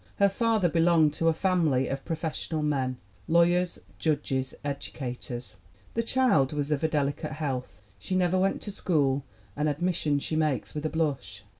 Her father belonged to a family of pro fessional men lawyers, judges, educators. The child was of delicate health. She never went to school an admission she makes with a blush.